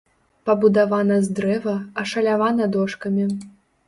Пабудавана з дрэва, ашалявана дошкамі.